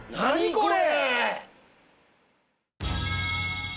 これ。